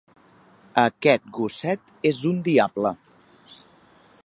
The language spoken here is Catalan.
Aquest gosset és un diable.